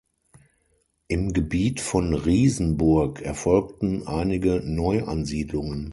Im Gebiet von Riesenburg erfolgten einige Neuansiedlungen.